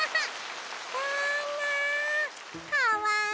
かわいい。